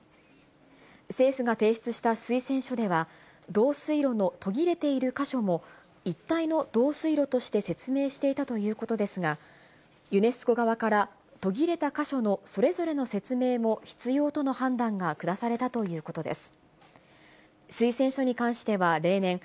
政府が提出した推薦書では、導水路の途切れている箇所も、一体の導水路として説明していたということですが、ユネスコ側から、途切れた箇所のそれぞれの説明も必要との判断が下されたということです。